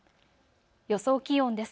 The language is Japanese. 予想気温です。